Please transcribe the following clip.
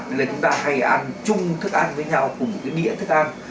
chúng ta hay ăn chung thức ăn với nhau cùng một đĩa thức ăn